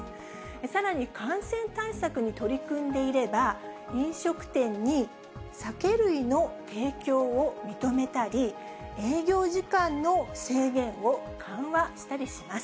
さらに感染対策に取り組んでいれば、飲食店に酒類の提供を認めたり、営業時間の制限を緩和したりします。